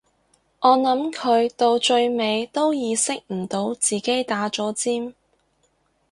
我諗佢到最尾都意識唔到自己打咗尖